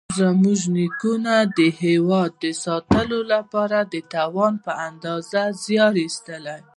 زموږ نیکونو د هېواد ساتنې لپاره خپل توان په اندازه زیار ایستلی.